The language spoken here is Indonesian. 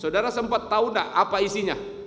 saudara sempat tau gak apa isinya